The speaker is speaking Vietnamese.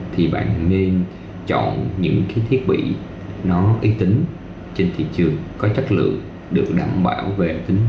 thì bạn nên chọn những cái thiết bị nó uy tín trên thị trường có chất lượng được đảm bảo về tính